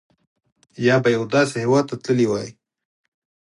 یا به یوه داسې هېواد ته تللي وای.